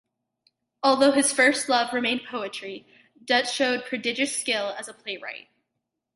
Although his first love remained poetry, Dutt showed prodigious skill as a playwright.